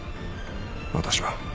私は。